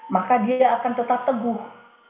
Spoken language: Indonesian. maka dia akan tetap teguh